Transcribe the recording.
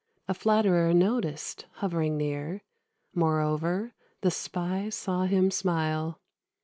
A flatterer noticed, hovering near; Moreover, the spy saw him smile.